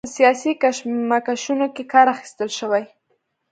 په سیاسي کشمکشونو کې کار اخیستل شوی.